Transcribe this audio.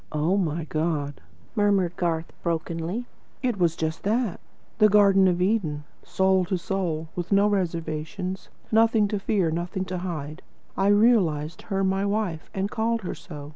"Oh, my God," murmured Garth brokenly, "it was just that! The Garden of Eden, soul to soul, with no reservations, nothing to fear, nothing to hide. I realised her my WIFE, and called her so.